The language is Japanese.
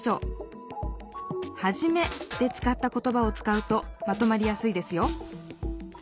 「はじめ」で使った言ばを使うとまとまりやすいですよ